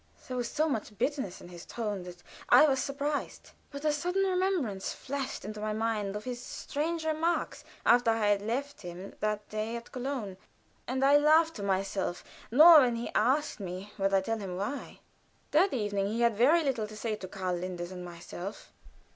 There was so much bitterness in his tone that I was surprised. But a sudden remembrance flushed into my mind of his strange remarks after I had left him that day at Cologne, and I laughed to myself, nor, when he asked me, would I tell him why. That evening he had very little to say to Karl Linders and myself.